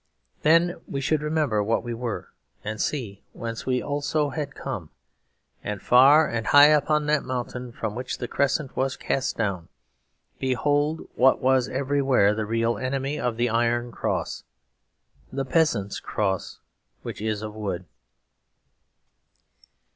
Then we should remember what we were and see whence we also had come; and far and high upon that mountain from which the Crescent was cast down, behold what was everywhere the real enemy of the Iron Cross the peasant's cross, which is of wood.